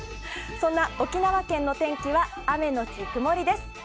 そんな沖縄県の天気は雨のち曇りです。